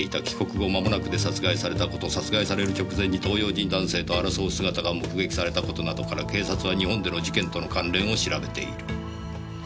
「帰国後まもなくで殺害された事殺害される直前に東洋人男性と争う姿が目撃された事などから警察は日本での事件との関連を調べている」